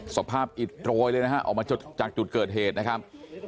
สภาพอิดโรยเลยนะฮะออกมาจากจุดเกิดเหตุนะครับ